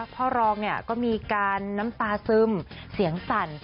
พ่อรองก็มีการน้ำตาซึมเสียงสั่น